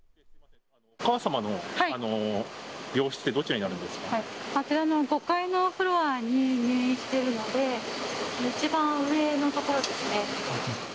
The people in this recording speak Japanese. お母様の病室って、どちらにあちらの５階のフロアに入院しているので、一番上の所ですね。